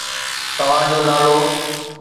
توهان جو نالو؟